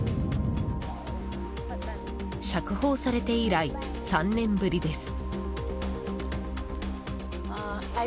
釈放されて以来、３年ぶりです。